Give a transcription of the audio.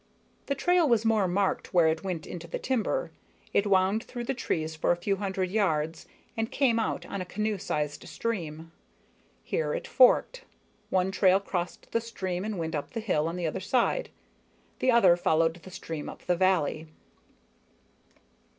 The trail was more marked where it went into the timber. It wound through the trees for a few hundred yards and came out on a canoe sized stream. Here it forked. One trail crossed the stream and went up the hill on the other side, the other followed the stream up the valley.